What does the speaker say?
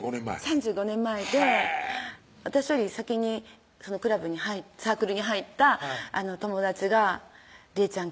３５年前で私より先にサークルに入った友達が「利恵ちゃん